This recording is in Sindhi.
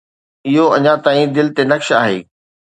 اهو اڃا تائين دل تي نقش آهي.